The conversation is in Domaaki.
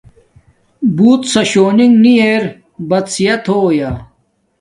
بوت سوشونگ نی ارے بد صحت ہویا